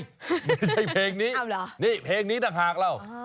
ไม่ใช่เพลงนี้นี่เพลงนี้ต่างหากเรา